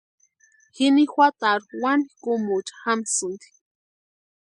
Jini juatarhu wani kumucha jamsïnti.